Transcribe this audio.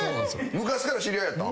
昔から知り合いやった？